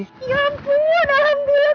ya ampun alhamdulillah